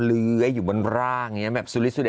เลื้อยอยู่บนร่างอย่างนี้แบบสุริสุเด